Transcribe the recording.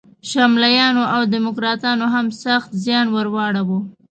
شمالیانو او دیموکراتانو هم سخت زیان ور واړاوه.